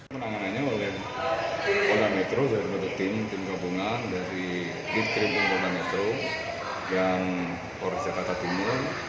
menanganannya oleh mumpolda metro dari tim gabungan dari unit reskrim mumpolda metro dan polres jakarta timur